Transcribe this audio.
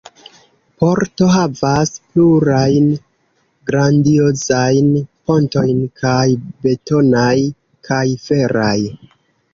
Porto havas plurajn grandiozajn pontojn – kaj betonaj, kaj feraj.